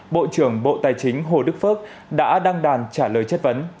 bộ trưởng bộ tài chính hồ đức phước đã đăng đàn trả lời chất vấn